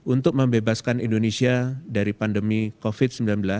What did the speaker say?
untuk membebaskan indonesia dari pandemi covid sembilan belas